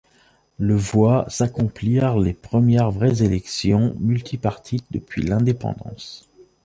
Le voit s'accomplir les premières vraies élections multipartites depuis l'indépendance.